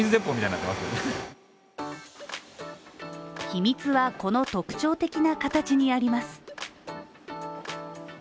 秘密はこの特徴的な形にあります。